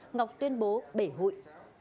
ngọc tuyên bố bể hụi